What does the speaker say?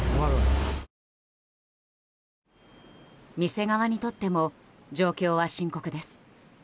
店側にとっても状況は深刻です。